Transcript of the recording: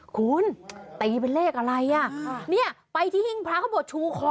คุณแต่เมื่อเลขอะไรอะเนี่ยไปที่หิ่งพระเขาบอก